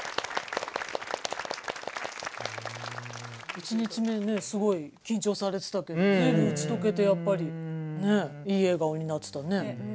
１日目にねすごい緊張されてたけど随分打ち解けてやっぱりねいい笑顔になってたね。